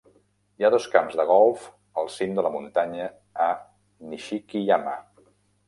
Hi ha dos camps de golf al cim de la muntanya a Nishiki-yama.